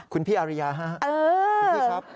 คุณพี่อาริยาฮะคุณพี่ครับ